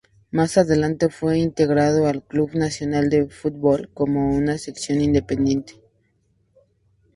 Más adelante fue integrado al Club Nacional de Football, como una sección independiente.